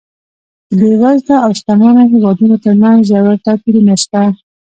د بېوزلو او شتمنو هېوادونو ترمنځ ژور توپیرونه شته.